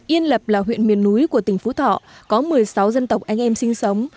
yên lập là huyện miền núi của tỉnh phú thọ có một mươi sáu dân tộc anh em sinh sống